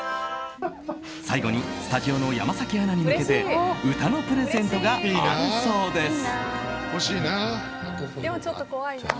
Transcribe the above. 最後にスタジオの山崎アナに向けて歌のプレゼントがあるそうです。